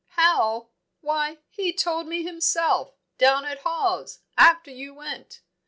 "How? Why, he told me himself, down at Hawes, after you went.